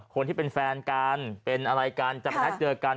คนที่เป็นแฟนกันเป็นอะไรกันจะไปนัดเจอกัน